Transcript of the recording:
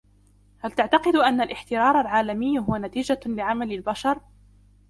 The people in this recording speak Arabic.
هل تعتقد أن الاحترار العالمي هو نتيجة لعمل البشر؟